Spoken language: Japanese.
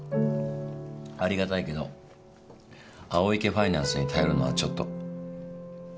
ありがたいけど青池ファイナンスに頼るのはちょっと。